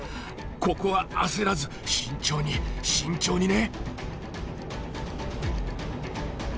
ここは焦らず慎重に慎重にね！